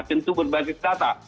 tentu berbasis data